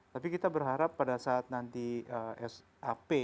tapi kita berharap pada saat nanti sap